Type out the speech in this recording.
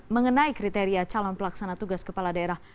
mengenai kriteria calon pelaksana tugas kepala daerah